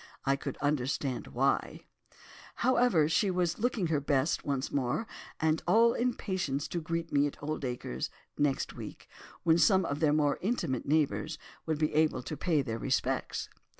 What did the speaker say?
I could understand why. However, she was looking her best once more, and all impatience to greet me at Oldacres, next week, when some of their more intimate neighbours would be able to pay their respects.